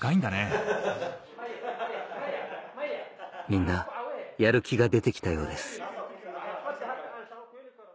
みんなやる気が出て来たようです